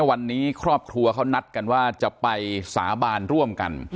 วันนี้ครอบครัวเขานัดกันว่าจะไปสาบานร่วมกัน